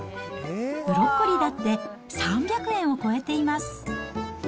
ブロッコリーだって３００円を超えています。